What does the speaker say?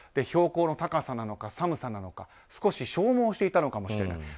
標高の高さなのか寒さなのか少し消耗していたのかもしれない。